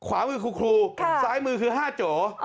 ขวามือคุณครูซ้ายมือคือห้าโจ